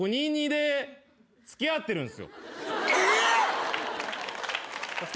２２で付き合ってんの？